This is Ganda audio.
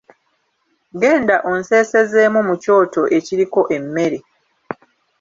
Genda onseesezeemu mu kyoto ekiriko emmere.